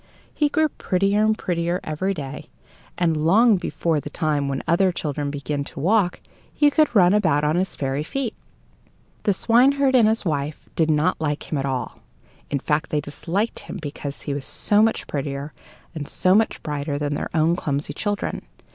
He grew prettier and prettier every day, and long before the time when other children begin to walk, he could run about on his fairy feet. The swineherd and his wife did not like him at all; in fact, they disliked him because he was so much prettier and so much brighter than their own clumsy children.